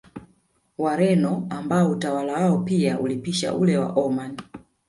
Wareno ambao utawala wao pia ulipisha ule wa Omani